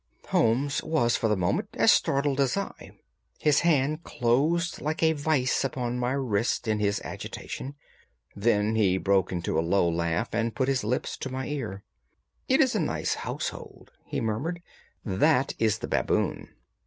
Holmes was for the moment as startled as I. His hand closed like a vice upon my wrist in his agitation. Then he broke into a low laugh and put his lips to my ear. "It is a nice household," he murmured. "That is the baboon."